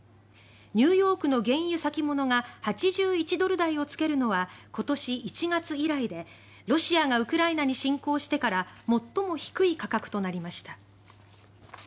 ニューヨークの原油先物が８１ドル台をつけるのは今年１月以来でロシアがウクライナに侵攻してから最も低い価格となりました。